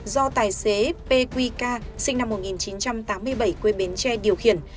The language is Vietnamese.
do tài xế pqk sinh năm một nghìn chín trăm tám mươi bảy quê bến tre điều khiển